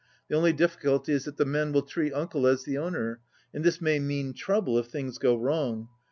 The only difficulty is that the men will treat uncle as the owner, and this may mean trouble if things go wrong.